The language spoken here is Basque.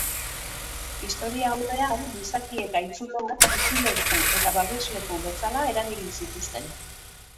Historiaurrean, gizakiek haitzuloak bizileku eta babesleku bezala erabili zituzten.